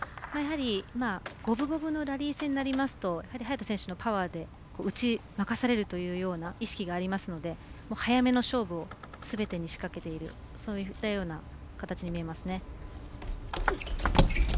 やはり、五分五分のラリー戦になりますと早田選手のパワーで打ち負かされるというような意識がありますので早めの勝負をすべてに仕掛けているそういったような形に見えます。